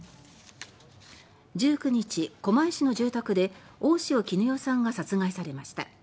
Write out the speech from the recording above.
１９日、狛江市の住宅で大塩衣與さんが殺害されました。